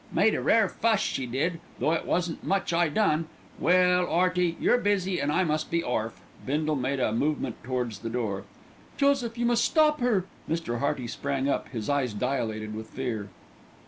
Made a rare fuss, she did, though it wasn't much I done. Well, 'Earty, you're busy, an' I must be orf." Bindle made a movement towards the door. "Joseph, you must stop her!" Mr. Hearty sprang up, his eyes dilated with fear.